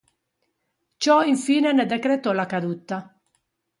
Ciò infine ne decretò la caduta.